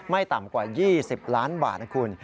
ต่ำกว่า๒๐ล้านบาทนะคุณ